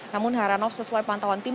namun heranov sesuai pantauan tim